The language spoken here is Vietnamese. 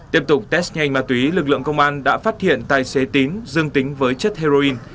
tiếp tục test nhanh ma túy lực lượng công an đã phát hiện tài xế tín dương tính với chất heroin